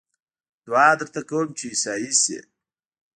دعا درته کووم چې عيسائي شې